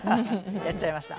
やっちゃいました。